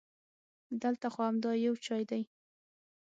دلته خو همدا یو چای دی.